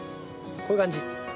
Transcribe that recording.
こういう感じ。